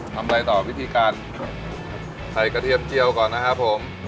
ทำอะไรต่อวิธีการใส่กระเทียมเจียวก่อนนะครับผม